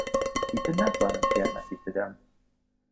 ئیتر ناتوانم یارمەتیت بدەم.